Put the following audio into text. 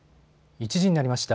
１時になりました。